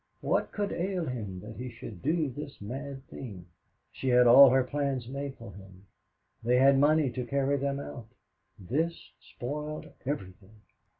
What could ail him that he should do this mad thing? She had all her plans made for him they had money to carry them out. This spoiled everything.